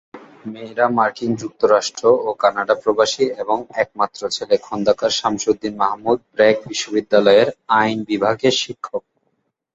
মেয়েরা মার্কিন যুক্তরাষ্ট্র ও কানাডা প্রবাসী এবং একমাত্র ছেলে খন্দকার শামসুদ্দিন মাহমুদ ব্র্যাক বিশ্ববিদ্যালয়ের আইন বিভাগের শিক্ষক।